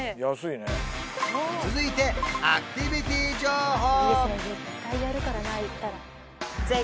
続いてアクティビティ情報！